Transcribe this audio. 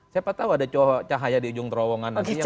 siapa tahu ada cahaya di ujung terowongan nanti